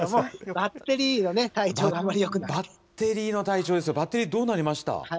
バッテリーの体調ですよ、バッテリー、どうなりました？